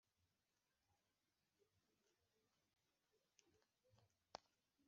Mufatanyenanjye guhimbaza uwiteka, dushyirane hejuru izina rye